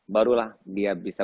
barulah dia bisa